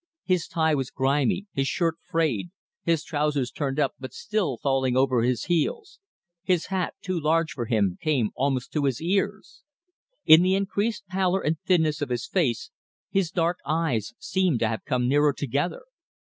His tie was grimy; his shirt frayed; his trousers turned up, but still falling over his heels; his hat, too large for him, came almost to his ears. In the increased pallor and thinness of his face, his dark eyes seemed to have come nearer together.